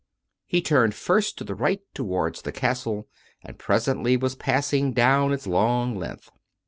He turned first to the right towards the castle, and pres ently was passing down its long length.